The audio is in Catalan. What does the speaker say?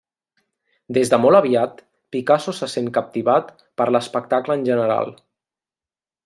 Des de molt aviat, Picasso se sent captivat per l'espectacle en general.